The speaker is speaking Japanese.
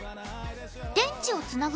電池をつなぐ